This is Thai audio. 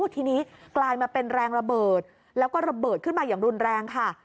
ทีนี้กลายมาเป็นแรงระเบิดแล้วก็ระเบิดขึ้นมาอย่างรุนแรงค่ะ